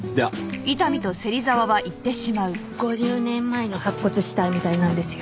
５０年前の白骨死体みたいなんですよ。